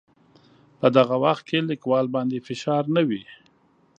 په دغه وخت کې لیکوال باندې فشار نه وي.